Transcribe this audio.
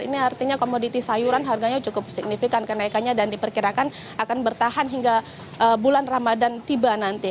ini artinya komoditi sayuran harganya cukup signifikan kenaikannya dan diperkirakan akan bertahan hingga bulan ramadan tiba nanti